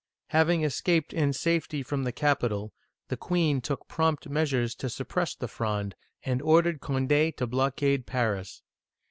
Having escaped in safety from the capital, the queen took prompt measures to suppress the Fronde, and ordered Cond6 to blockade Paris.